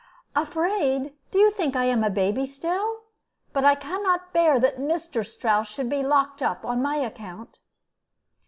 "Afraid! do you think I am a baby still? But I can not bear that Mr. Strouss should be locked up on my account."